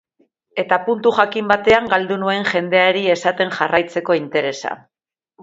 Eta puntu jakin batean galdu nuen jendeari esaten jarraitzeko interesa.